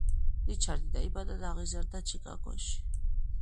რიჩარდი დაიბადა და აღიზარდა ჩიკაგოში.